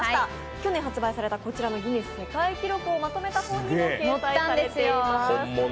去年発売されたギネス世界記録をまとめた本にも載っています。